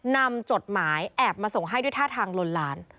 จดหมายแอบมาส่งให้ด้วยท่าทางลนลาน